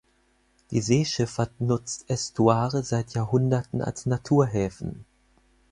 Die Seeschifffahrt nutzt Ästuare seit Jahrhunderten als Naturhäfen.